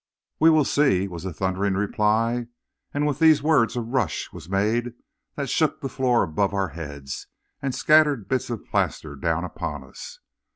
"'We will see!' was the thundering reply, and with these words a rush was made that shook the floor above our heads, and scattered bits of plaster down upon us.